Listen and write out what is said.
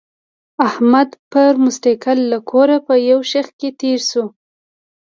احمد په موټرسایکل له کوره په یو شخ کې تېر شو.